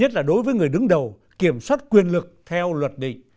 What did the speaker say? nhất là đối với người đứng đầu kiểm soát quyền lực theo luật định